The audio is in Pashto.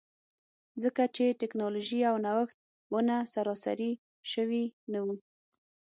ځکه چې ټکنالوژي او نوښت ونه سراسري شوي نه وو.